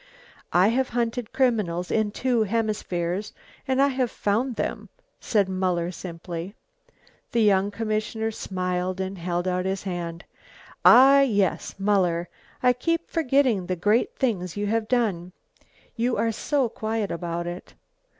"I have hunted criminals in two hemispheres, and I have found them," said Muller simply. The young commissioner smiled and held out his hand. "Ah, yes, Muller I keep forgetting the great things you have done. You are so quiet about it."